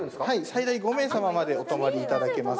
最大５名様までお泊まりいただけます。